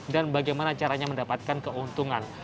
dan bagaimana caranya mendapatkan keuntungan